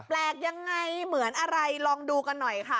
แปลกยังไงเหมือนอะไรลองดูกันหน่อยค่ะ